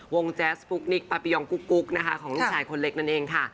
แจ๊สปุ๊กนิกปาปิยองกุ๊กนะคะของลูกชายคนเล็กนั่นเองค่ะ